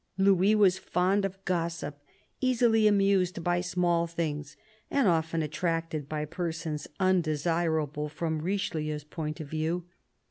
Louis was fond of gossip, easily amused by small things, and often attracted by persons undesirable from Richelieu's point of view.